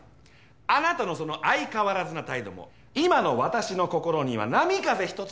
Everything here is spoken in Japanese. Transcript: あなたのその相変わらずな態度も今の私の心には波風一つ立てないの。